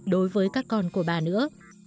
đối với các con của bà nữa